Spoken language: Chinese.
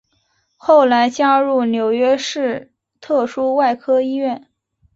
后来加入纽约市特殊外科医院。